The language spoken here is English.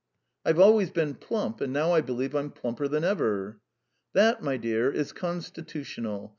"I've always been plump, and now I believe I'm plumper than ever." "That, my dear, is constitutional.